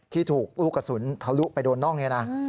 ที่ถูกลูกกระสุนทะลุไปโดนน่องนี้นะ